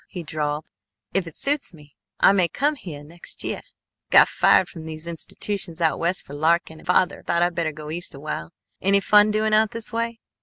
he drawled. "If it suits me, I may come heah next yeah. Got fired from three institutions out West for larking, and father thought I better go East awhile. Any fun doing out this way?"